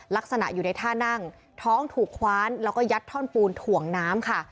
ลักษณะอยู่ในท่านั่งท้องถูกคว้านแล้วก็ยัดท่อนปูนถ่วงน้ำค่ะ